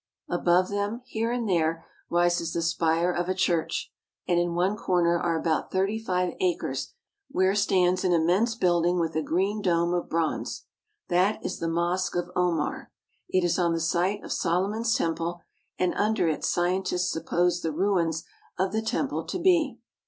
Above them, here and there, rises the spire of a church, and in one corner are about thirty five acres where stands an immense building with a green dome of bronze. That is the Mosque of Omar. It is on the site of Solo mon's Temple, and under it scientists suppose the ruins of the temple to be.